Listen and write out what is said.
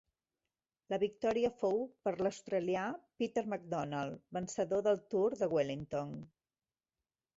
La victòria fou per l'australià Peter McDonald, vencedor del Tour de Wellington.